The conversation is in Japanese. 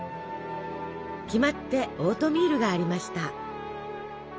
決まってオートミールがありました。